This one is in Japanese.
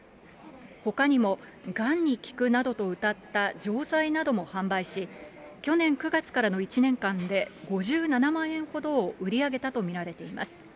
ほかにも、がんに効くなどとうたった錠剤なども販売し、去年９月からの１年間で５７万円ほどを売り上げたと見られています。